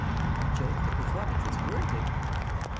By Jove, the performance is worth it.